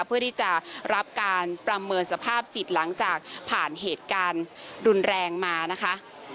เพื่อที่จะรับการประเมินสภาพจิตหลังจากผ่านเหตุการณ์รุนแรงมานะคะ